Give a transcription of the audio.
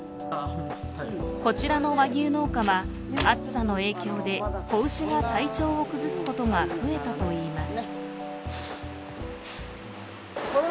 こちらの和牛農家は暑さの影響で子牛が体調を崩すことが増えたといいます。